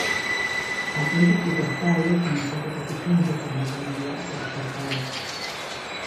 Asientos tipo estadio con espacio suficiente para la comodidad del espectador.